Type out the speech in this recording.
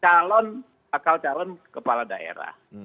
calon bakal calon kepala daerah